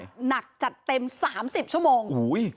หนักจัดเต็ม๓๐ชั่วโมง